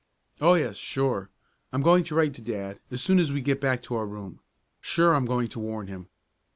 "Oh, yes, sure. I'm going to write to dad as soon as we get back to our room. Sure I'm going to warn him.